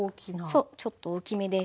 そうちょっと大きめです。